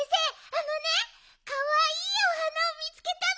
あのねかわいいお花をみつけたの。